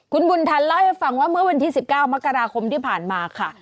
คุณบุญทันเล่าให้ฟังว่าเมื่อวันที่๑๙มกราคมที่ผ่านมาค่ะ